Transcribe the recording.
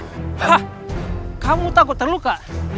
hah kamu takut terluka